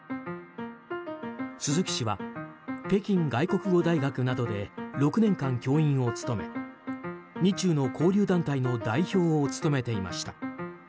鈴木は北京外国語大学などで６年間教員を務め日中の交流団体の代表を務めていました。